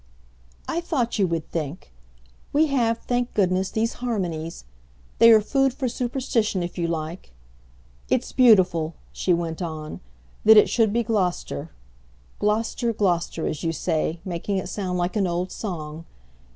"I thought you would think. We have, thank goodness, these harmonies. They are food for superstition if you like. It's beautiful," she went on, "that it should be Gloucester; 'Glo'ster, Glo'ster,' as you say, making it sound like an old song.